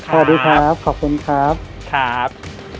สวัสดีครับขอบคุณครับครับ